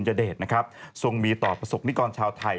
ยเดชนะครับทรงมีต่อประสบนิกรชาวไทย